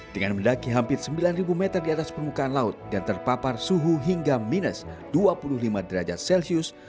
dengan mendaki hampir sembilan meter di atas permukaan laut dan terpapar suhu hingga minus dua puluh lima derajat celcius